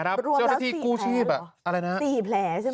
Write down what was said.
รวมละ๔แผล